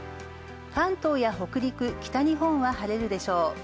関東や北陸、北日本は晴れるでしょう。